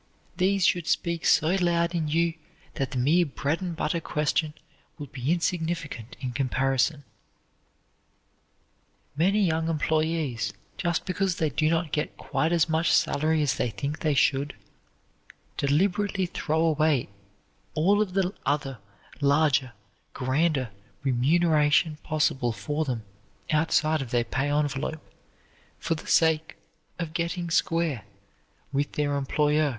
These should speak so loud in you that the mere bread and butter question will be insignificant in comparison. Many young employees, just because they do not get quite as much salary as they think they should, deliberately throw away all of the other, larger, grander remuneration possible for them outside of their pay envelope, for the sake of "getting square" with their employer.